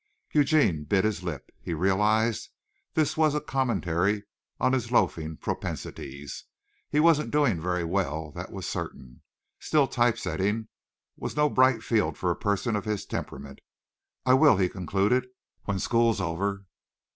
Eugene bit his lip. He realized this was a commentary on his loafing propensities. He wasn't doing very well, that was certain. Still type setting was no bright field for a person of his temperament. "I will," he concluded, "when school's over."